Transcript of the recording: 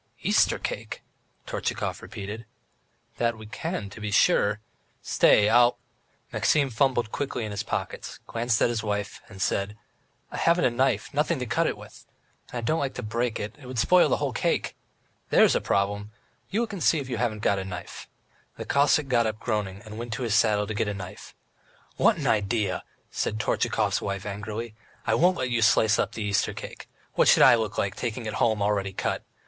"Easter cake?" Tortchakov repeated, "That we can, to be sure. ... Stay, I'll. ..." Maxim fumbled quickly in his pockets, glanced at his wife, and said: "I haven't a knife, nothing to cut it with. And I don't like to break it, it would spoil the whole cake. There's a problem! You look and see if you haven't a knife?" The Cossack got up groaning, and went to his saddle to get a knife. "What an idea," said Tortchakov's wife angrily. "I won't let you slice up the Easter cake! What should I look like, taking it home already cut!